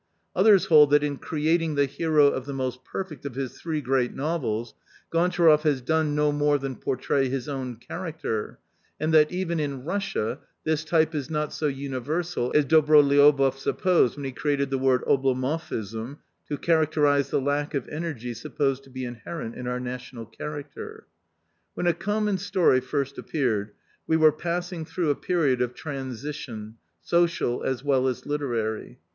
Others hold that in creating the hero of the most perfect of his three great novels, Gontcharoff has done no more than portray his own character, and that even in Russia this type is not so universal as Dobroliouboff sup posed when he created the word ' Oblomovism ' to charac terise the lack of energy supposed to be inherent in our national character. ..." When A Common Story first appeared, we were passing through a period of transition, social as well as literary.